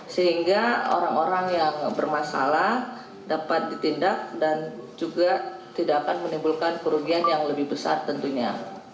sehingga orang orang yang bermasalah dapat ditindak dan juga tidak akan menimbulkan kerugian yang lebih besar tentunya